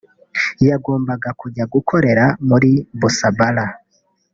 yagombaga kujya gukorera muri Busabala